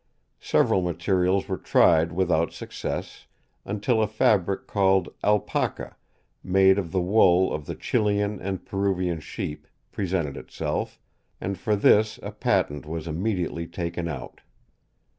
Several materials were tried without success, until a fabric called Alpaca, made of the wool of the Chilian and Peruvian sheep, presented itself, and for this a patent was immediately taken out.